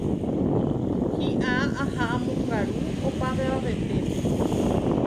hi'a ha omongaru opavavetépe